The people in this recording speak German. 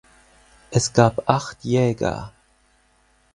Es gab acht Jäger.